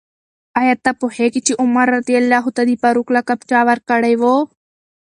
آیا ته پوهېږې چې عمر رض ته د فاروق لقب چا ورکړی و؟